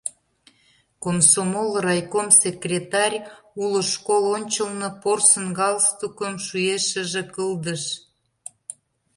Комсомол райком секретарь уло школ ончылно порсын галстукым шӱешыже кылдыш.